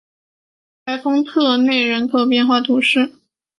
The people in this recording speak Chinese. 莱丰特内勒人口变化图示